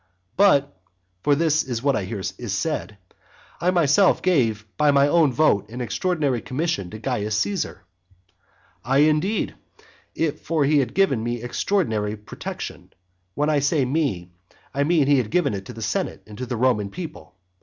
But (for this is what I hear is said,) I myself gave by my own vote an extraordinary commission to Caius Caesar. Ay, indeed, for he had given me extraordinary protection, when I say me, I mean he had given it to the senate and to the Roman people.